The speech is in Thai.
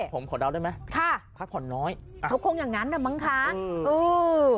ผมขอยาฝนได้มั้ยพักผ่อนน้อยใช่หุ้